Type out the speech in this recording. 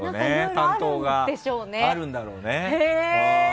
担当があるんだろうね。